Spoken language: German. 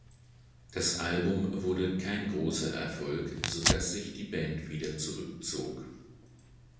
Das Album wurde kein großer Erfolg, sodass sich die Band wieder zurückzog.